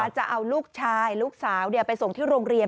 จะเอาลูกชายลูกสาวไปส่งที่โรงเรียน